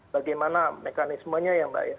bagaimana mekanismenya ya mbak ya